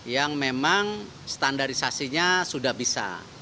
yang memang standarisasinya sudah bisa